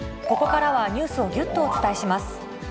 ここからはニュースをぎゅっとお伝えします。